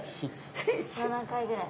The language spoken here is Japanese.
７回ぐらい。